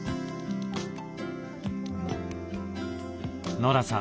ノラさん